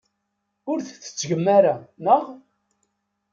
Ur t-tettgem ara, naɣ?